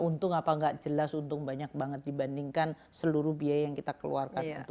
untung apa nggak jelas untung banyak banget dibandingkan seluruh biaya yang kita keluarkan